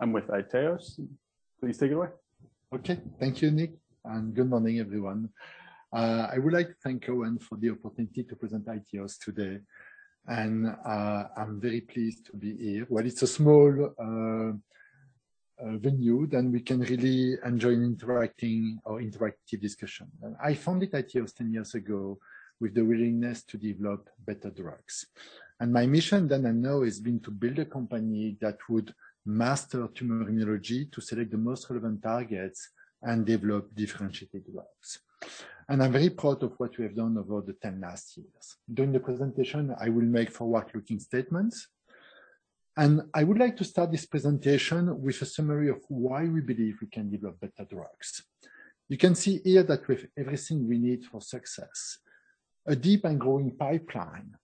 I'm with iTeos. Please take it away. Okay. Thank you, Nick, good morning, everyone. I would like to thank Cowen for the opportunity to present iTeos today, and I'm very pleased to be here. While it's a small venue, then we can really enjoy interacting or interactive discussion. I founded iTeos 10 years ago with the willingness to develop better drugs. My mission then and now has been to build a company that would master tumor immunology to select the most relevant targets and develop differentiated drugs. I'm very proud of what we have done over the 10 last years. During the presentation, I will make forward-looking statements. I would like to start this presentation with a summary of why we believe we can develop better drugs. You can see here that we have everything we need for success. A deep and growing pipeline.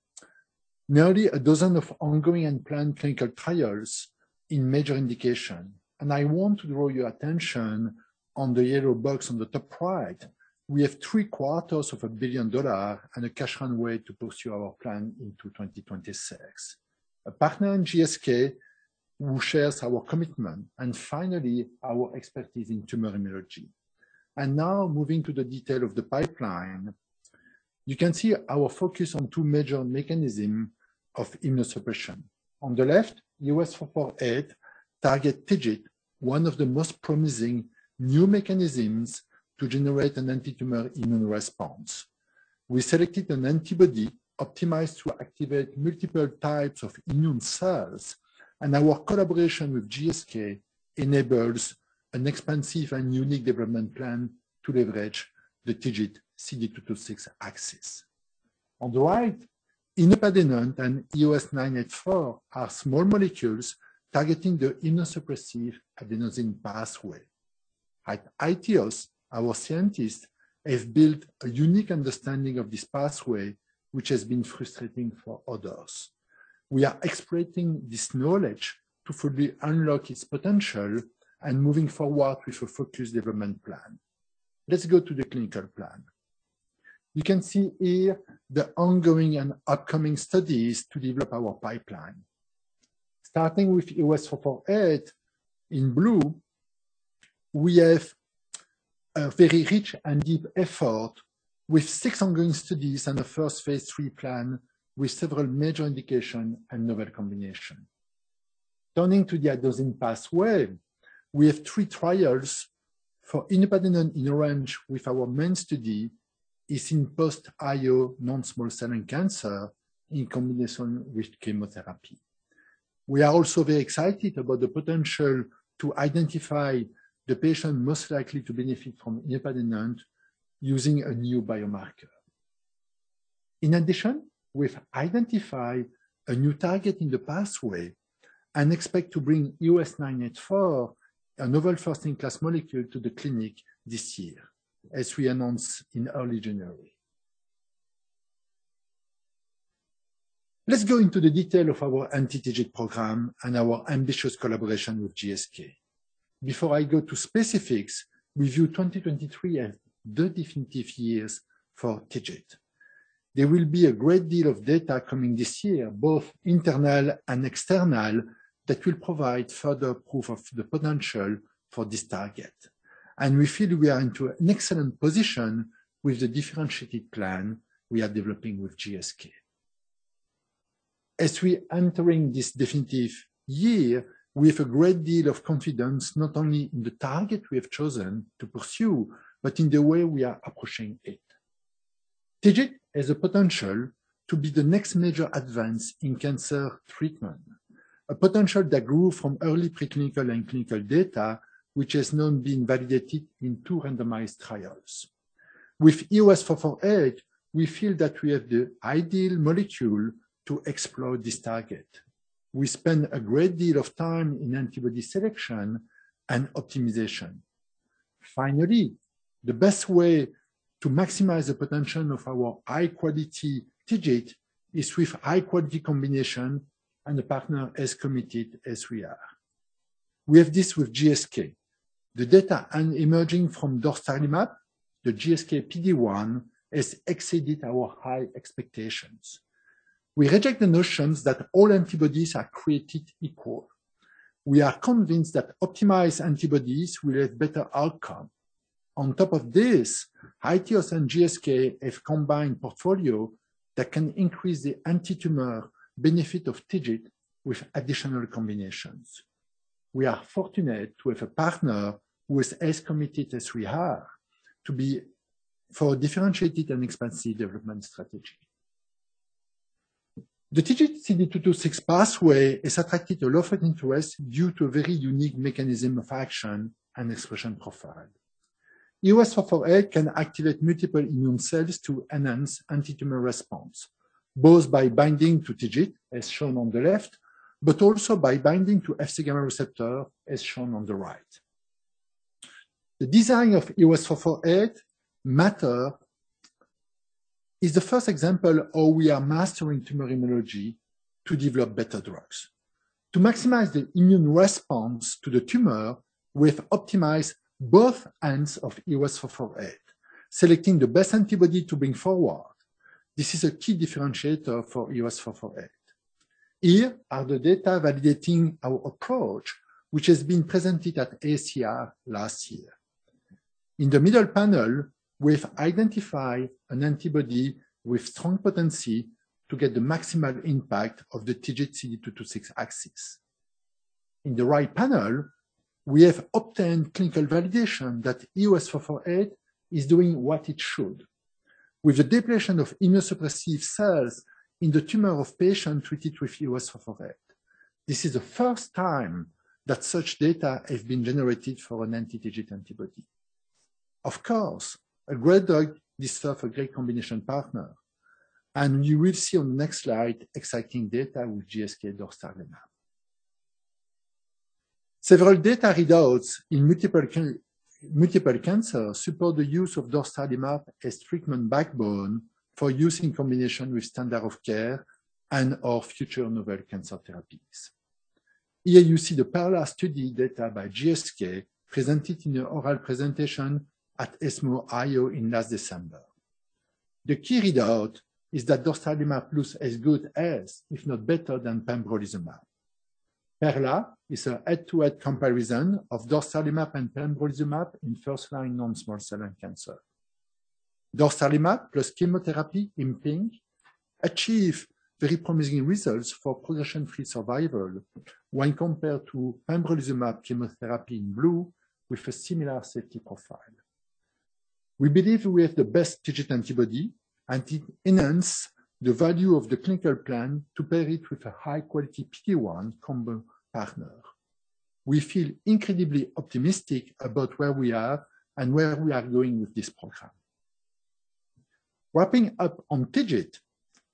Nearly a dozen of ongoing and planned clinical trials in major indication. I want to draw your attention on the yellow box on the top right. We have $ 750 billion and a cash runway to pursue our plan into 2026. A partner in GSK who shares our commitment. Finally, our expertise in tumor immunology. Now moving to the detail of the pipeline. You can see our focus on two major mechanisms of immunosuppression. On the left, EOS-448 targets TIGIT, one of the most promising new mechanisms to generate an antitumor immune response. We selected an antibody optimized to activate multiple types of immune cells, and our collaboration with GSK enables an expansive and unique development plan to leverage the TIGIT/CD226 axis. On the right, inupadenant and EOS-984 are small molecules targeting the immunosuppressive adenosine pathway. At iTeos, our scientists have built a unique understanding of this pathway, which has been frustrating for others. We are exploiting this knowledge to fully unlock its potential and moving forward with a focused development plan. Let's go to the clinical plan. You can see here the ongoing and upcoming studies to develop our pipeline. Starting with EOS-448 in blue, we have a very rich and deep effort with six ongoing studies and a first phase III plan with several major indication and novel combination. Turning to the adenosine pathway, we have three trials for inupadenant in orange with our main study is in post-IO non-small cell lung cancer in combination with chemotherapy. We are also very excited about the potential to identify the patient most likely to benefit from inupadenant using a new biomarker. In addition, we've identified a new target in the pathway and expect to bring EOS-984, a novel first-in-class molecule, to the clinic this year, as we announced in early January. Let's go into the detail of our anti-TIGIT program and our ambitious collaboration with GSK. Before I go to specifics, we view 2023 as the definitive years for TIGIT. There will be a great deal of data coming this year, both internal and external, that will provide further proof of the potential for this target. We feel we are into an excellent position with the differentiated plan we are developing with GSK. As we entering this definitive year, we have a great deal of confidence not only in the target we have chosen to pursue, but in the way we are approaching it. TIGIT has a potential to be the next major advance in cancer treatment. A potential that grew from early preclinical and clinical data, which has now been validated in two randomized trials. With EOS-448, we feel that we have the ideal molecule to explore this target. We spend a great deal of time in antibody selection and optimization. Finally, the best way to maximize the potential of our high-quality TIGIT is with high-quality combination and a partner as committed as we are. We have this with GSK. The data emerging from dostarlimab, the GSK PD-1, has exceeded our high expectations. We reject the notions that all antibodies are created equal. We are convinced that optimized antibodies will have better outcome. On top of this, iTeos and GSK have combined portfolio that can increase the antitumor benefit of TIGIT with additional combinations. We are fortunate to have a partner who is as committed as we are to be. for a differentiated and expansive development strategy. The TIGIT CD226 pathway has attracted a lot of interest due to a very unique mechanism of action and expression profile. EOS-448 can activate multiple immune cells to enhance antitumor response, both by binding to TIGIT, as shown on the left, but also by binding to Fc gamma receptor, as shown on the right. The design of EOS-448 matter is the first example of how we are mastering tumor immunology to develop better drugs. To maximize the immune response to the tumor, we've optimized both ends of EOS-448, selecting the best antibody to bring forward. This is a key differentiator for EOS-448. Here are the data validating our approach, which has been presented at AACR last year. In the middle panel, we've identified an antibody with strong potency to get the maximum impact of the TIGIT CD226 axis. In the right panel, we have obtained clinical validation that EOS-448 is doing what it should. With the depletion of immunosuppressive cells in the tumor of patient treated with EOS-448. This is the first time that such data has been generated for an anti-TIGIT antibody. Of course, a great dog deserves a great combination partner, and you will see on the next slide exciting data with GSK dostarlimab. Several data readouts in multiple cancer support the use of dostarlimab as treatment backbone for use in combination with standard of care and of future novel cancer therapies. Here you see the parallel study data by GSK presented in the oral presentation at ESMO IO in last December. The key readout is that dostarlimab plus as good as if not better than pembrolizumab. PERLA is a head-to-head comparison of dostarlimab and pembrolizumab in first-line non-small cell lung cancer. dostarlimab plus chemotherapy in pink achieve very promising results for progression-free survival when compared to pembrolizumab chemotherapy in blue with a similar safety profile. We believe we have the best TIGIT antibody, and it enhance the value of the clinical plan to pair it with a high-quality PD-1 combo partner. We feel incredibly optimistic about where we are and where we are going with this program. Wrapping up on TIGIT,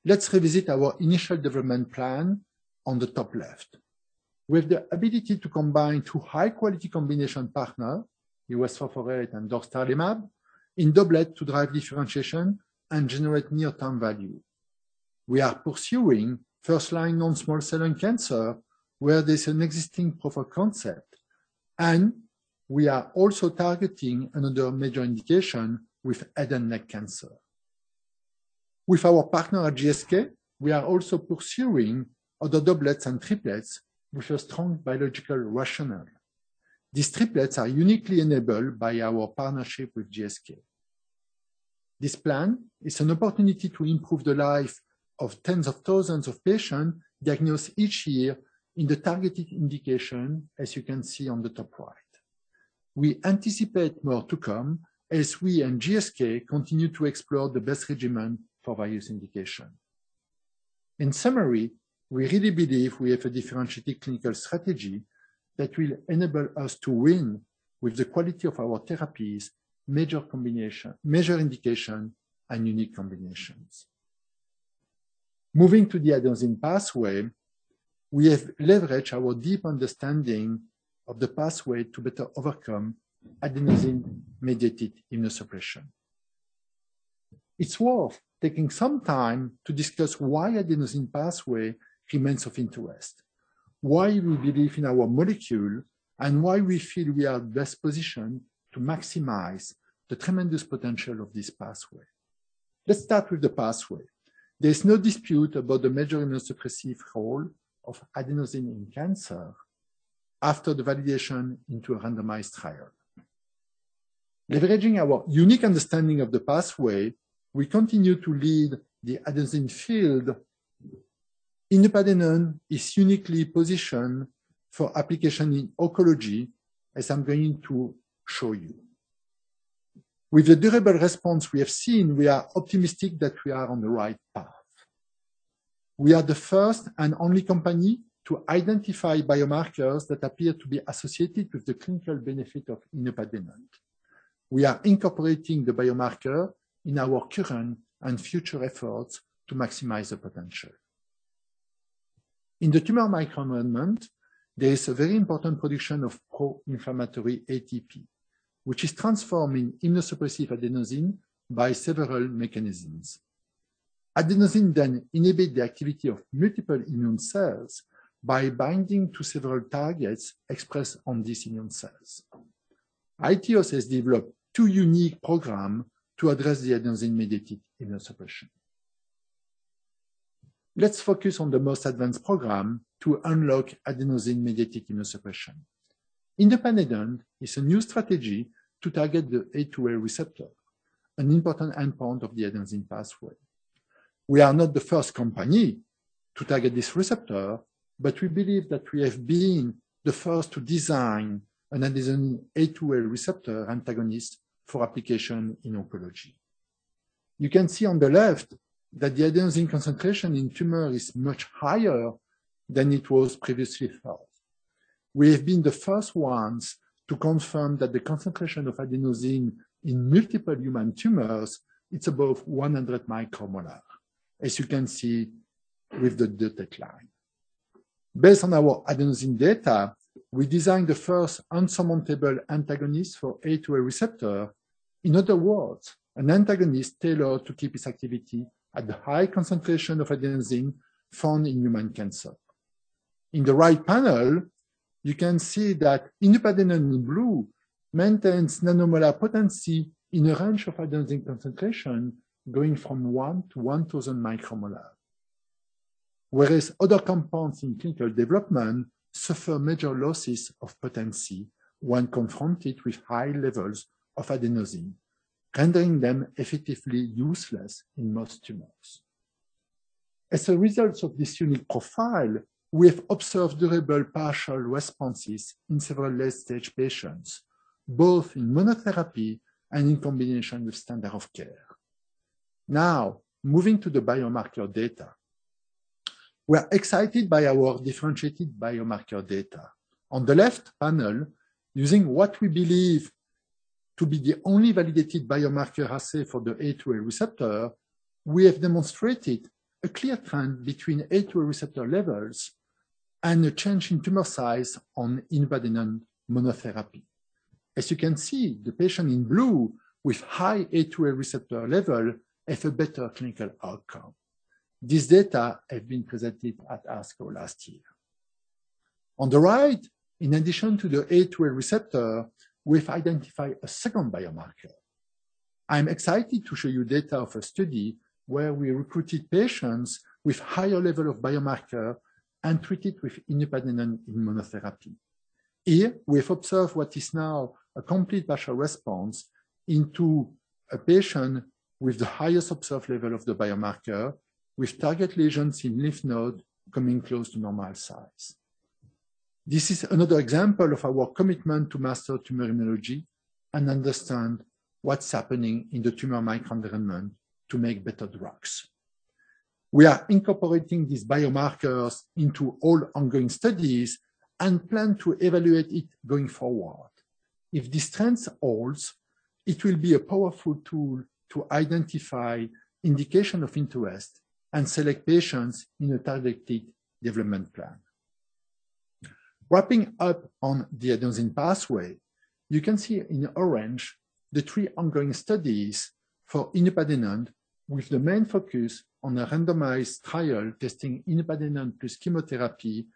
let's revisit our initial development plan on the top left. With the ability to combine two high-quality combination partner, EOS-448 and dostarlimab, in doublet to drive differentiation and generate near-term value. We are pursuing first-line non-small cell lung cancer where there's an existing proof of concept, and we are also targeting another major indication with head and neck cancer. With our partner at GSK, we are also pursuing other doublets and triplets with a strong biological rationale. These triplets are uniquely enabled by our partnership with GSK. This plan is an opportunity to improve the life of tens of thousands of patients diagnosed each year in the targeted indication, as you can see on the top right. We anticipate more to come as we and GSK continue to explore the best regimen for various indication. In summary, we really believe we have a differentiated clinical strategy that will enable us to win with the quality of our therapies, major indication, and unique combinations. Moving to the adenosine pathway, we have leveraged our deep understanding of the pathway to better overcome adenosine-mediated immunosuppression. It's worth taking some time to discuss why adenosine pathway remains of interest, why we believe in our molecule, and why we feel we are best positioned to maximize the tremendous potential of this pathway. Let's start with the pathway. There's no dispute about the major immunosuppressive role of adenosine in cancer after the validation into a randomized trial. Leveraging our unique understanding of the pathway, we continue to lead the adenosine field. Inupadenant is uniquely positioned for application in oncology, as I'm going to show you. With the deliver response we have seen, we are optimistic that we are on the right path. We are the first and only company to identify biomarkers that appear to be associated with the clinical benefit of Inupadenant. We are incorporating the biomarker in our current and future efforts to maximize the potential. In the tumor microenvironment, there is a very important production of pro-inflammatory ATP, which is transforming immunosuppressive adenosine by several mechanisms. Adenosine inhibit the activity of multiple immune cells by binding to several targets expressed on these immune cells. iTeos has developed two unique program to address the adenosine-mediated immunosuppression. Let's focus on the most advanced program to unlock adenosine-mediated immunosuppression. Inupadenant is a new strategy to target the A2A receptor, an important endpoint of the adenosine pathway. We are not the first company to target this receptor, but we believe that we have been the first to design an adenosine A2A receptor antagonist for application in oncology. You can see on the left that the adenosine concentration in tumor is much higher than it was previously thought. We have been the first ones to confirm that the concentration of adenosine in multiple human tumors is above 100 micromolar, as you can see with the dotted line. Based on our adenosine data, we designed the first insurmountable antagonist for A2A receptor. In other words, an antagonist tailored to keep its activity at the high concentration of adenosine found in human cancer. In the right panel, you can see that inupadenant in blue maintains nanomolar potency in a range of adenosine concentration going from 1 to 1,000 micromolar. Other compounds in clinical development suffer major losses of potency when confronted with high levels of adenosine, rendering them effectively useless in most tumors. As a result of this unique profile, we have observed durable partial responses in several late-stage patients, both in monotherapy and in combination with standard of care. Moving to the biomarker data. We're excited by our differentiated biomarker data. On the left panel, using what we believe to be the only validated biomarker assay for the A2A receptor, we have demonstrated a clear trend between A2A receptor levels and a change in tumor size on inupadenant monotherapy. As you can see, the patient in blue with high A2A receptor level has a better clinical outcome. These data have been presented at ASCO last year. On the right, in addition to the A2A receptor, we've identified a second biomarker. I'm excited to show you data of a study where we recruited patients with higher level of biomarker and treated with inupadenant in monotherapy. Here, we have observed what is now a complete partial response into a patient with the highest observed level of the biomarker, with target lesions in lymph node coming close to normal size. This is another example of our commitment to master tumor immunology and understand what's happening in the tumor microenvironment to make better drugs. We are incorporating these biomarkers into all ongoing studies and plan to evaluate it going forward. If this trend holds, it will be a powerful tool to identify indication of interest and select patients in a targeted development plan. Wrapping up on the adenosine pathway, you can see in orange the three ongoing studies for inupadenant, with the main focus on a randomized trial testing inupadenant plus chemotherapy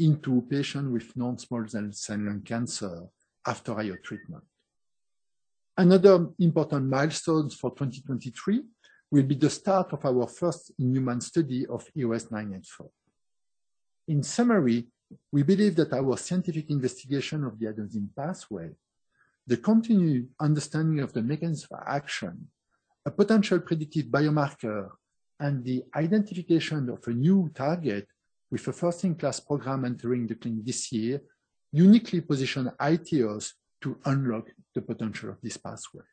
into patients with non-small cell lung cancer after IO treatment. Another important milestone for 2023 will be the start of our first-in-human study of EOS-984. In summary, we believe that our scientific investigation of the adenosine pathway, the continued understanding of the mechanism for action, a potential predictive biomarker, and the identification of a new target with a first-in-class program entering the clinic this year, uniquely position iTeos to unlock the potential of this pathway.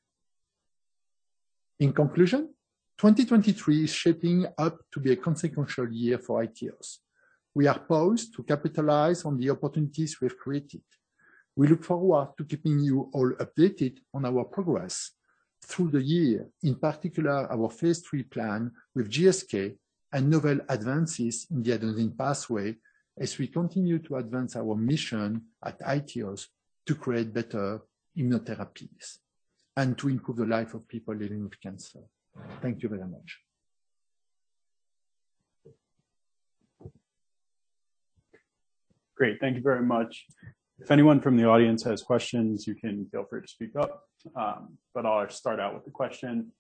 In conclusion, 2023 is shaping up to be a consequential year for iTeos. We are poised to capitalize on the opportunities we have created. We look forward to keeping you all updated on our progress through the year. In particular, our phase III plan with GSK and novel advances in the adenosine pathway as we continue to advance our mission at iTeos to create better immunotherapies and to improve the life of people living with cancer. Thank you very much. Great. Thank you very much. If anyone from the audience has questions, you can feel free to speak up. I'll start out with a question.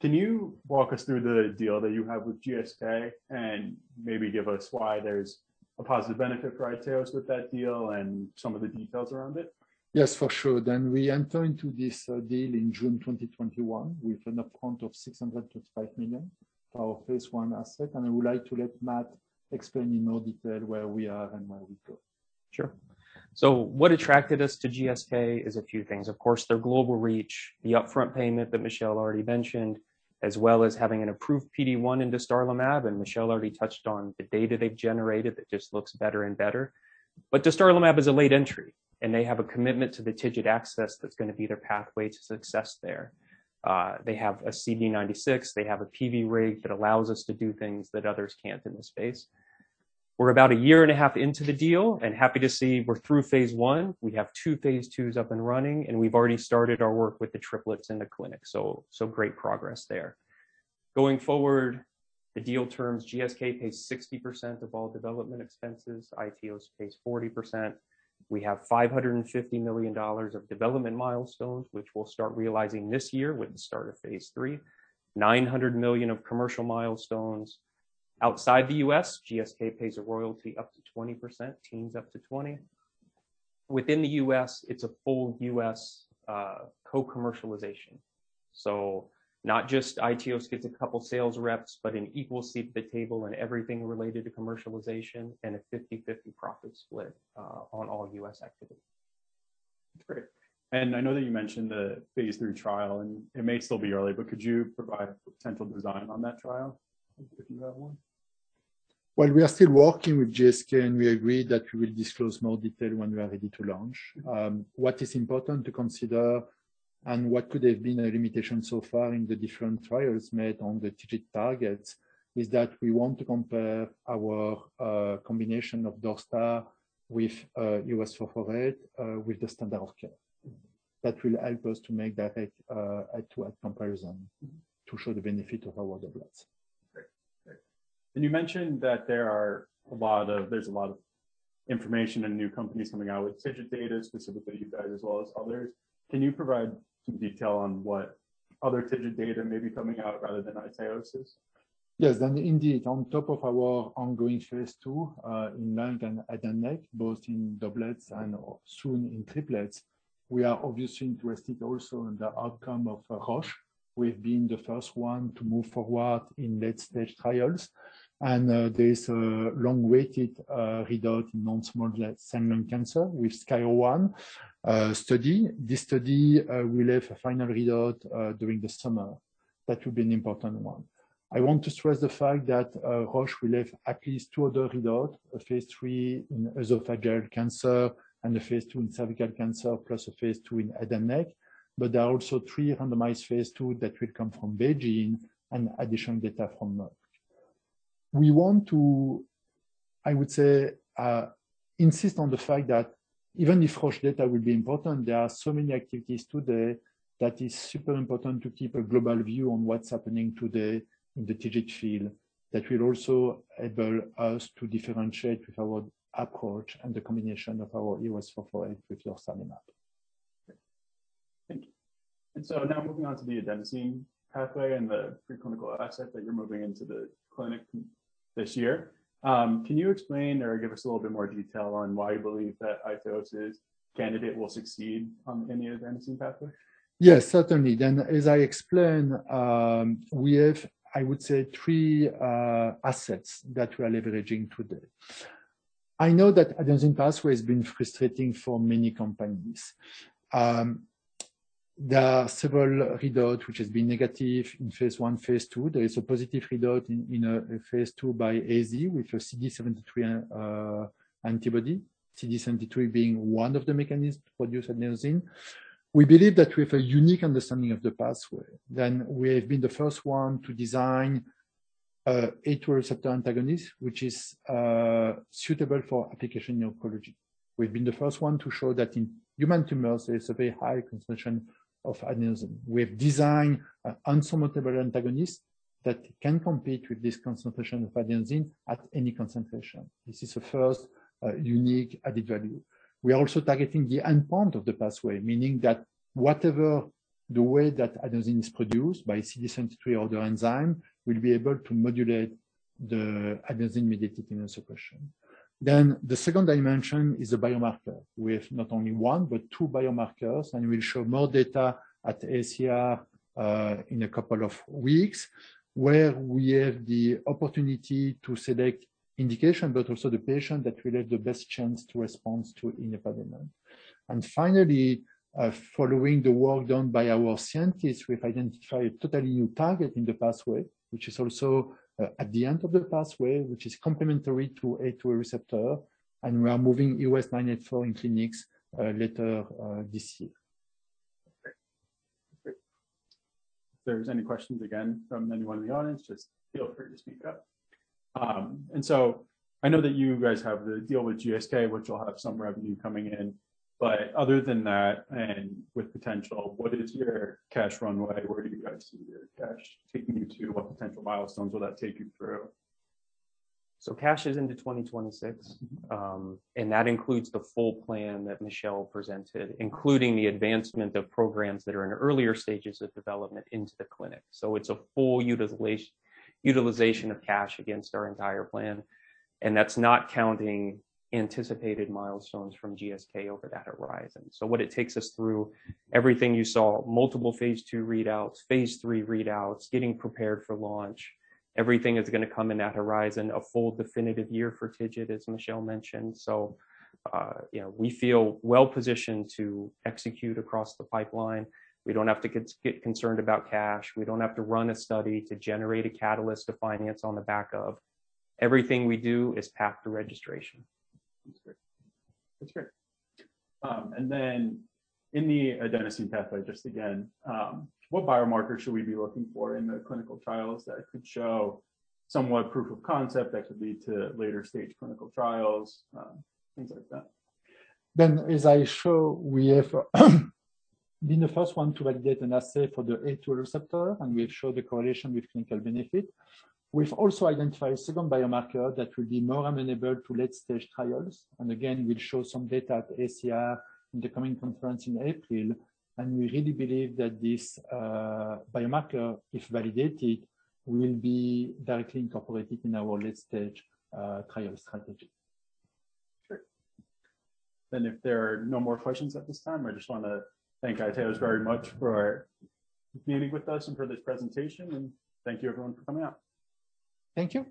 Can you walk us through the deal that you have with GSK and maybe give us why there's a positive benefit for iTeos with that deal and some of the details around it? Yes, for sure. We enter into this deal in June 2021 with an upfront of $625 million for our phase I asset. I would like to let Matt explain in more detail where we are and where we go. What attracted us to GSK is a few things. Of course, their global reach, the upfront payment that Michel already mentioned, as well as having an approved PD-1 in dostarlimab, and Michel already touched on the data they've generated that just looks better and better. Dostarlimab is a late entry, and they have a commitment to the TIGIT axis that's going to be their pathway to success there. They have a CD96, they have a PVRIG that allows us to do things that others can't in the space. We're about a year and a half into the deal and happy to see we're through phase I. We have two phase II's up and running, and we've already started our work with the triplets in the clinic. Great progress there. Going forward, the deal terms, GSK pays 60% of all development expenses. iTeos pays 40%. We have $550 million of development milestones, which we'll start realizing this year with the start of phase III. $900 million of commercial milestones. Outside the U.S., GSK pays a royalty up to 20%, teens up to 20%. Within the U.S., it's a full U.S. co-commercialization. Not just iTeos gets a couple sales reps, but an equal seat at the table and everything related to commercialization and a 50/50 profit split on all U.S. activities. That's great. I know that you mentioned the phase III trial, it may still be early, but could you provide a potential design on that trial if you have one? Well, we are still working with GSK. We agreed that we will disclose more detail when we are ready to launch. What is important to consider and what could have been a limitation so far in the different trials made on the TIGIT targets is that we want to compare our combination of dostarlimab with EOS-448 with the standard of care. That will help us to make that a A2A comparison to show the benefit of our workloads. Great. You mentioned that there's a lot of information and new companies coming out with TIGIT data, specifically you guys as well as others. Can you provide some detail on what other TIGIT data may be coming out rather than iTeos's? Yes. Indeed, on top of our ongoing phase II, in lung and head and neck, both in doublets and soon in triplets, we are obviously interested also in the outcome of Roche with being the first one to move forward in late-stage trials and this long-waited readout in non-small cell lung cancer with SKY-01 study. This study will have a final readout during the summer. That will be an important one. I want to stress the fact that Roche will have at least two other readout, a phase III in esophageal cancer and a phase II in cervical cancer, plus a phase II in head and neck. There are also three randomized phase II that will come from BeiGene and additional data from Merck. We want to, I would say, insist on the fact that even if Roche data will be important, there are so many activities today that is super important to keep a global view on what's happening today in the TIGIT field that will also enable us to differentiate with our approach and the combination of our EOS-448 with pembrolizumab. Thank you. Now moving on to the adenosine pathway and the preclinical asset that you're moving into the clinic this year, can you explain or give us a little bit more detail on why you believe that iTeos' candidate will succeed on any adenosine pathway? Yes, certainly. As I explained, we have, I would say, three assets that we are leveraging today. I know that adenosine pathway has been frustrating for many companies. There are several readout which has been negative in phase I, phase II. There is a positive readout in phase II by AstraZeneca with a CD73 antibody. CD73 being one of the mechanisms to produce adenosine. We believe that we have a unique understanding of the pathway. We have been the first one to design A2A receptor antagonist, which is suitable for application in oncology. We've been the first one to show that in human tumors, there's a very high concentration of adenosine. We have designed an insurmountable antagonist that can compete with this concentration of adenosine at any concentration. This is a first unique added value. We are also targeting the endpoint of the pathway, meaning that whatever the way that adenosine is produced by CD73 or the enzyme, we'll be able to modulate the adenosine-mediated immunosuppression. The second dimension is the biomarker. We have not only one, but two biomarkers, and we'll show more data at AACR in a couple of weeks, where we have the opportunity to select indication, but also the patient that will have the best chance to respond to inupadenant. Finally, following the work done by our scientists, we've identified a totally new target in the pathway, which is also at the end of the pathway, which is complementary to A2A receptor, and we are moving EOS-984 in clinics later this year. Great. If there's any questions again from anyone in the audience, just feel free to speak up. I know that you guys have the deal with GSK, which will have some revenue coming in. Other than that, and with potential, what is your cash runway? Where do you guys see your cash taking you to? What potential milestones will that take you through? Cash is into 2026, and that includes the full plan that Michel presented, including the advancement of programs that are in earlier stages of development into the clinic. It's a full utilization of cash against our entire plan, and that's not counting anticipated milestones from GSK over that horizon. What it takes us through everything you saw, multiple phase II readouts, phase III readouts, getting prepared for launch. Everything is going to come in that horizon. A full definitive year for TIGIT, as Michel mentioned. You know, we feel well-positioned to execute across the pipeline. We don't have to get concerned about cash. We don't have to run a study to generate a catalyst to finance on the back of. Everything we do is path to registration. That's great. Then in the adenosine pathway, just again, what biomarkers should we be looking for in the clinical trials that could show somewhat proof of concept that could lead to later stage clinical trials, things like that? Ben, as I show, we have been the first one to validate an assay for the A2A receptor, and we have showed the correlation with clinical benefit. We've also identified a second biomarker that will be more amenable to late-stage trials. Again, we'll show some data at AACR in the coming conference in April. We really believe that this biomarker, if validated, will be directly incorporated in our late-stage trial strategy. Sure. If there are no more questions at this time, I just want to thank iTeos very much for meeting with us and for this presentation, and thank you everyone for coming out. Thank you.